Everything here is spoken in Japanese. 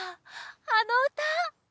あのうた！